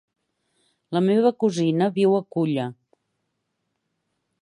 La meva cosina viu a Culla.